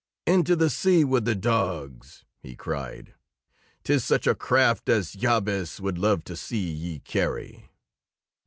"Into the sea with the dogs!" he cried. "'Tis such a craft as Jabez would love to see ye carry."